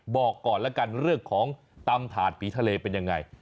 บอกก่อนแล้วกันเรื่องของตำถาดผีทะเลเป็นยังไง